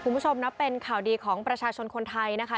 คุณผู้ชมนับเป็นข่าวดีของประชาชนคนไทยนะคะ